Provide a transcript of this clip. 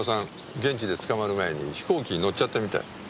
現地で捕まる前に飛行機に乗っちゃったみたい。